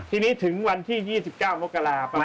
ที่นี้ถึงวันที่๒๙มกราคมประมาณ